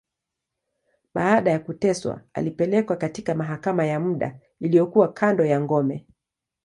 Baada ya kuteswa, alipelekwa katika mahakama ya muda, iliyokuwa kando ya ngome.